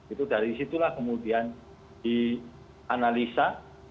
itu dari situlah kemudian dianalisa